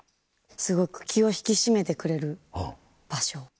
すごく気を引き締めてくれる場所。